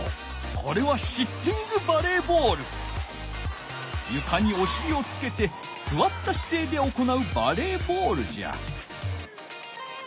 これはゆかにおしりをつけてすわったしせいで行うバレーボールじゃ。